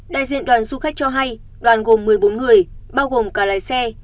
đại diện đoàn du khách cho hay đoàn gồm một mươi bốn người bao gồm cả lái xe